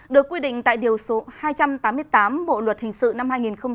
được quy định tại điều hai trăm tám mươi tám bộ luật hình sự năm hai nghìn một mươi năm